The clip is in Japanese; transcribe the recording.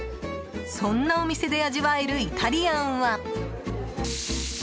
そんなお店で味わえるイタリアンは。